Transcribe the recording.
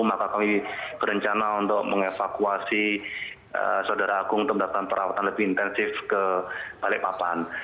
maka kami berencana untuk mengevakuasi saudara agung untuk mendapatkan perawatan lebih intensif ke balikpapan